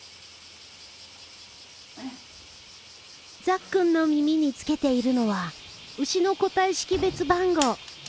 ザッくんの耳につけているのは牛の個体識別番号。